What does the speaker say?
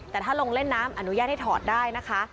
แต่ถ้าลงเล่นน้ำอนุญาตให้ถอดได้นะคะ